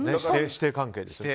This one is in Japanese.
師弟関係ですね。